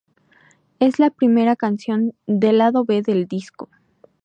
Es la primera canción del lado B del disco.